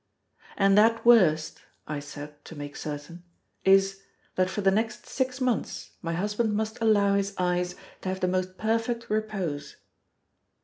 "And that worst," I said, to make certain, "is, that for the next six months my husband must allow his eyes to have the most perfect repose?"